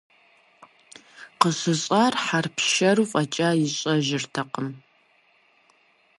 Къыщыщӏар хъарпшэру фӏэкӏа ищӏэжыртэкъым.